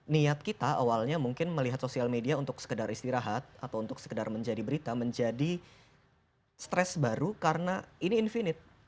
niat kita awalnya mungkin melihat sosial media untuk sekedar istirahat atau untuk sekedar menjadi berita menjadi stres baru karena ini infinite